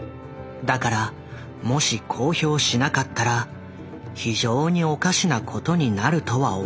だからもし公表しなかったら非常におかしなことになるとは思った。